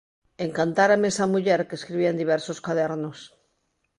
Encantárame esa muller que escribía en diversos cadernos.